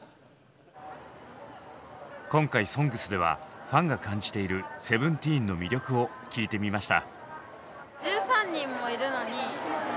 今回「ＳＯＮＧＳ」ではファンが感じているＳＥＶＥＮＴＥＥＮの魅力を聞いてみました。